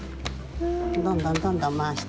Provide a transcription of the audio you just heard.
どんどんどんどんまわして。